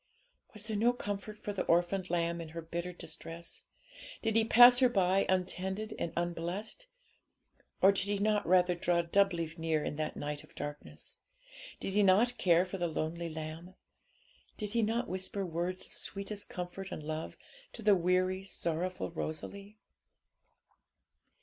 Was there no comfort for the orphaned lamb in her bitter distress? Did He pass her by untended and unblessed? Or did He not rather draw doubly near in that night of darkness? Did He not care for the lonely lamb? Did He not whisper words of sweetest comfort and love to the weary, sorrowful Rosalie?